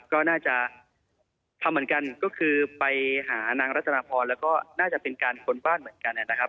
ก็น่าจะทำเหมือนกันก็คือไปหานางรัตนาพรแล้วก็น่าจะเป็นการค้นบ้านเหมือนกันนะครับ